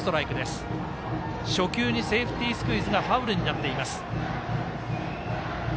初球にセーフティースクイズがファウルになっています。